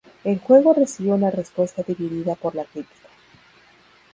El juego recibió una respuesta dividida por la crítica.